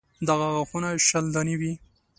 دغه غاښونه شل دانې وي.